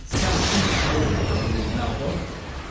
Selingman stared at her with his mouth open.